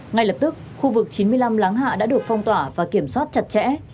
ngay lập tức khu vực chín mươi năm láng hạ đã được phong tỏa và kiểm soát chặt chẽ